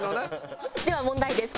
では問題です。